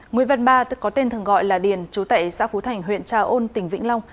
nguyễn văn ba có tên thường gọi là điền chú tẩy xã phú thành huyện trà ôn tỉnh vĩnh long